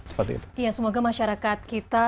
seperti itu ya semoga masyarakat kita